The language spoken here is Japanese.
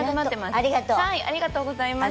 ありがとうございます。